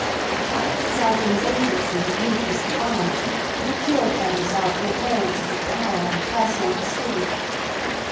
By exercising his agency with ruthless defiance he procured for himself the appearances of power and personal prestige.